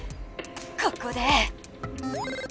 ここで。